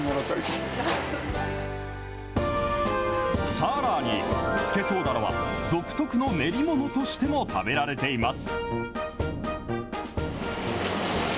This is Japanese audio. さらに、スケソウダラは独特の練り物としても食べられています。